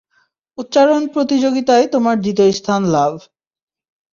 উচ্চারণ প্রতিযোগিতায় তোমার দ্বিতীয় স্থান লাভ।